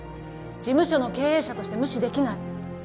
事務所の経営者として無視できない